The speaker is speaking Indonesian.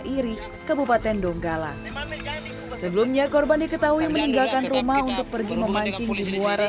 iri kebupaten donggala sebelumnya korban diketahui meninggalkan rumah untuk pergi memancing di muara